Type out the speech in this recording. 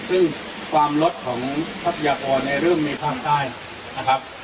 ซึ่งความลดของทรัพยากรในเรื่องในภาคใต้นะครับ